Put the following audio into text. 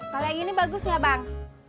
kalau yang gini bagus gak bang